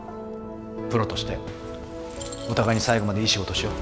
プロとしてお互いに最後までいい仕事をしよう。